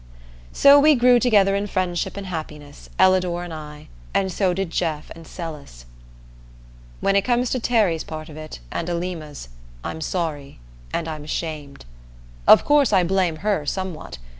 So we grew together in friendship and happiness, Ellador and I, and so did Jeff and Celis. When it comes to Terry's part of it, and Alima's, I'm sorry and I'm ashamed. Of course I blame her somewhat.